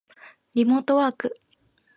リモートワーク